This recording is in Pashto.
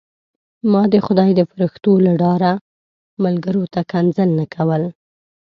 ما د خدای د فرښتو له ډاره ملګرو ته کنځل نه کول.